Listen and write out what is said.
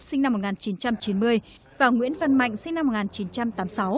sinh năm một nghìn chín trăm chín mươi và nguyễn văn mạnh sinh năm một nghìn chín trăm tám mươi sáu